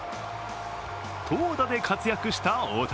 投打で活躍した大谷。